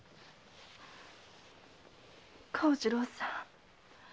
幸次郎さん